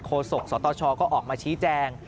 โศกสตชก็ออกมาชี้แจง